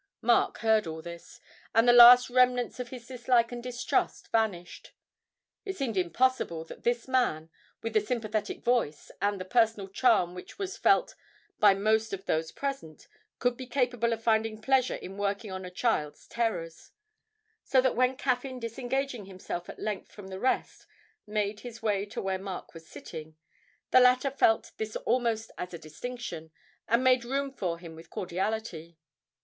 Mark heard all this, and the last remnants of his dislike and distrust vanished; it seemed impossible that this man, with the sympathetic voice, and the personal charm which was felt by most of those present, could be capable of finding pleasure in working on a child's terrors. So that when Caffyn, disengaging himself at length from the rest, made his way to where Mark was sitting, the latter felt this almost as a distinction, and made room for him with cordiality.